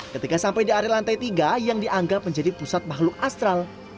ketika sampai di area lantai tiga yang dianggap menjadi pusat makhluk astral